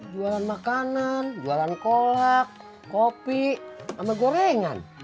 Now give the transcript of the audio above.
jualan makanan jualan kolak kopi sama gorengan